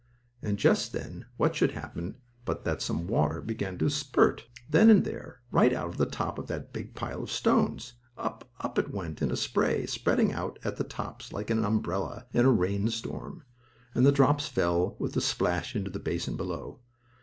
And just then, what should happen but that some water began to spurt, then and there, right out of the top of that big pile of stones. Up, up it went, in a spray, spreading out at the tops like an umbrella in a rain storm, and the drops fell with a splash into the basin below.